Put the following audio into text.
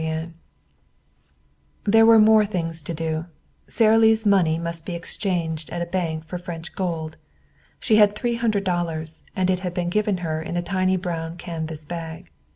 VIII Here were more things to do. Sara Lee's money must be exchanged at a bank for French gold. She had three hundred dollars, and it had been given her in a tiny brown canvas bag.